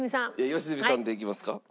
良純さんでいきますか。